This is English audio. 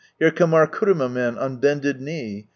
Here come our kuruma men, on bended knee.